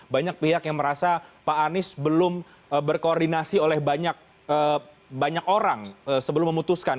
banyak pihak yang merasa pak anies belum berkoordinasi oleh banyak orang sebelum memutuskan